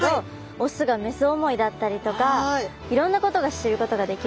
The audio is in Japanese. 雄が雌思いだったりとかいろんなことが知ることができました。